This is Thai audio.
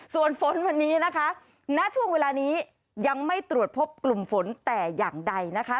ส่วนฝนวันนี้นะคะณช่วงเวลานี้ยังไม่ตรวจพบกลุ่มฝนแต่อย่างใดนะคะ